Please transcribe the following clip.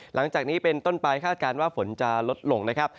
หลังจากนี้เป็นต้นไปคาดการณ์ว่าฝนจะลดลงนะครับ